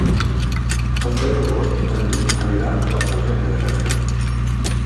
El deu d'agost en Lluc anirà a Santa Eugènia de Berga.